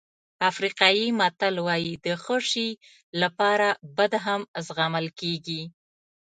افریقایي متل وایي د ښه شی لپاره بد هم زغمل کېږي.